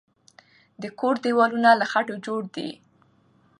د کور دیوالونه له خټو جوړ دی.